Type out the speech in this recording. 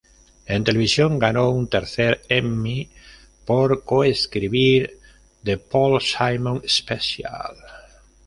En televisión, ganó un tercer Emmy por co-escribir "The Paul Simon Special".